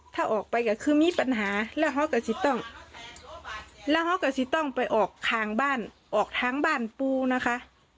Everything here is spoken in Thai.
ถ้าออกไปก็คือมีปัญหาแล้วเขาก็จะต้องไปออกทางบ้านออกทางบ้านปูนะคะ